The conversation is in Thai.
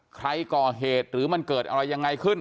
ใครก่อเหตุหรือมันเกิดอะไรยังไงขึ้น